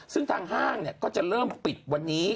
ซึ่งทางห้างก็จะเริ่มปิดวันนี้